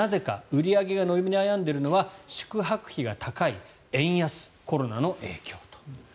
売り上げが伸び悩んでいるのは宿泊費が高い、円安コロナの影響と。